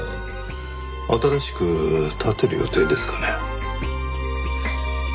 新しく建てる予定ですかね？